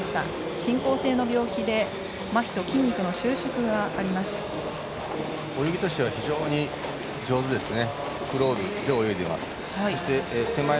進行性の病気で泳ぎとしては非常に上手ですね。